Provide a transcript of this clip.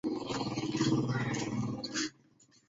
kuna baadhi ya makosa katika vitendea kazi za kuhesabu kura